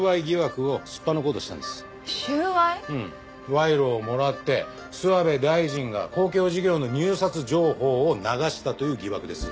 賄賂をもらって諏訪部大臣が公共事業の入札情報を流したという疑惑です。